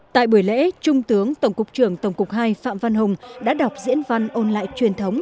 tại buổi lễ trung tướng tổng cục trưởng tổng cục hai phạm văn hùng đã đọc diễn văn ôn lại truyền thống